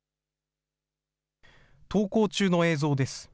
登校中の映像です。